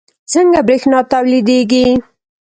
څنګه بریښنا تولیدیږي